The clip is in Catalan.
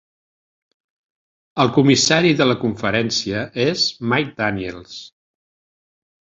El comissari de la conferència és Mike Daniels.